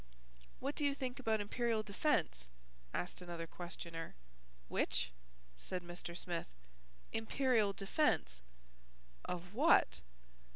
"What do you think about imperial defence?" asked another questioner. "Which?" said Mr. Smith. "Imperial defence." "Of what?"